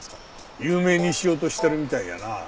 有名にしようとしてるみたいやな。